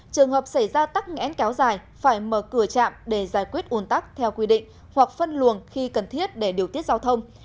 trường hợp xảy ra tắc ngẽn kéo dài phải mở cửa trạm để giải quyết un tắc theo quy định hoặc phân luồng khi cần thiết để điều tiết giao thông